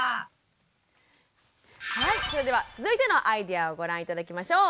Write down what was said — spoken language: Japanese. はいそれでは続いてのアイデアをご覧頂きましょう。